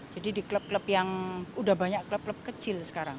di klub klub yang udah banyak klub klub kecil sekarang